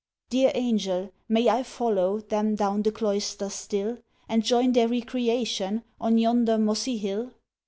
"Dear Angel! may I follow Them, down the Cloister still, And join their recreation, On yonder mossy hill?"